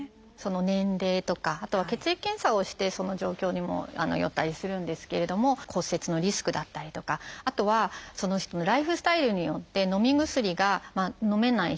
年齢とかあとは血液検査をしてその状況にもよったりするんですけれども骨折のリスクだったりとかあとはその人のライフスタイルによってのみ薬がのめない人。